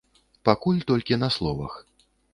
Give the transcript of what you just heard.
Пакуль толькі на словах.